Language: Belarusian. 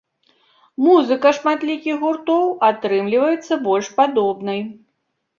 Музыка шматлікіх гуртоў атрымліваецца больш падобнай.